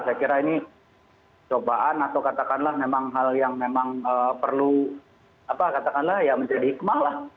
saya kira ini cobaan atau katakanlah memang hal yang memang perlu apa katakanlah ya menjadi hikmah lah